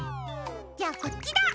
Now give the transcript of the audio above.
じゃあこっちだ！